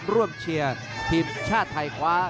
ร่วมเชียร์ทีมชาติไทยควา